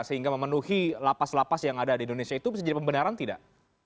sehingga memenuhi lapas lapas yang ada di indonesia itu bisa jadi pembenaran tidak